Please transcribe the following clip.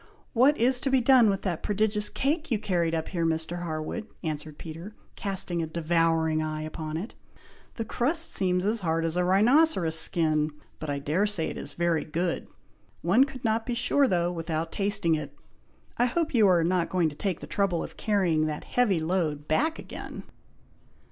"What is to be done with that prodigious cake you carried up here, Mr. Harwood?" answered Peter, casting a devouring eye upon it; "the crust seems as hard as a rhinoceros' skin, but I dare say it is very good. One could not be sure though, without tasting it! I hope you are not going to take the trouble of carrying that heavy load back again?"